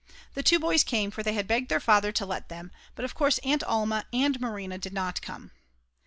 The two boys came, for they had begged their father to let them; but of course Aunt Alma and Marina did not come.